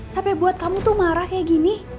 sampai buat kamu tuh marah kayak gini